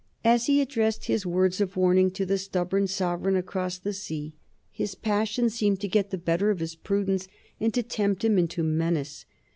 As he addressed his words of warning to the stubborn sovereign across the sea his passion seemed to get the better of his prudence and to tempt him into menace.